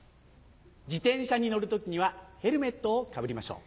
自転車に乗る時にはヘルメットをかぶりましょう。